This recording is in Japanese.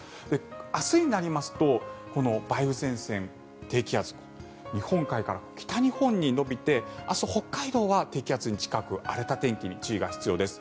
明日になりますとこの梅雨前線、低気圧日本海から北日本に延びて明日、北海道は低気圧に近く荒れた天気に注意が必要です。